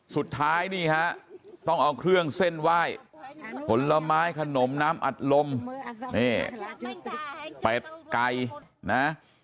สุดท้ายนี่ฮะต้องเอาเครื่องเส้นไหว้ผลไม้ขนมน้ำอัดลมนี่เป็ดไก่นะ